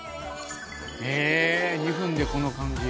へえ２分でこの感じ。